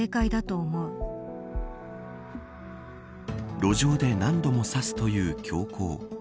路上で何度も刺すという凶行。